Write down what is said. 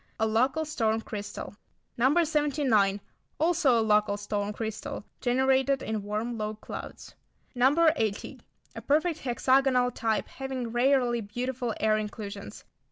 A local storm crystal. No. 79. Also a local storm crystal, generated in warm, low clouds. No. 80. A perfect hexagonal type having rarely beautiful air inclusions.